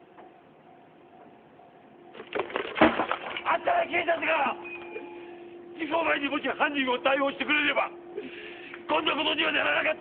あんたら警察が時効前にもし犯人を逮捕してくれればこんなことにはならなかったんだよ！